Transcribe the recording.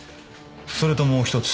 それともう一つ。